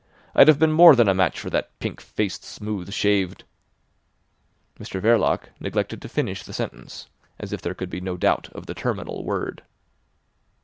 I'd have been more than a match for that pink faced, smooth shaved—" Mr Verloc, neglected to finish the sentence, as if there could be no doubt of the terminal word.